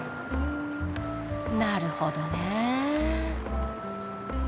なるほどね。